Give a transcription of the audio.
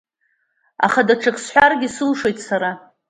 Аха даҽакы сҳәаргьы сылшоит сара.